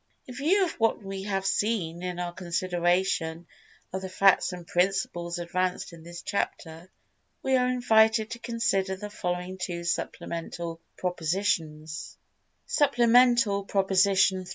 In view of what we have seen in our consideration of the facts and principles advanced in this chapter, we are invited to consider the following two Supplemental Propositions: Supplemental Proposition III.